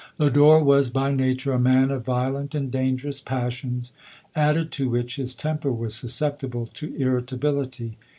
Lodore was by nature a man of violent and dangerous passions, added to which, his temper was susceptible to irritability.